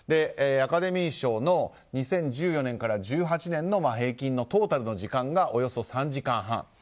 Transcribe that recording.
アカデミー賞の２０１４年から１８年の平均のトータルの時間がおよそ３時間半。